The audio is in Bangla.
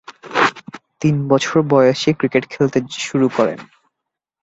তিন বছর বয়সে ক্রিকেট খেলতে শুরু করেন।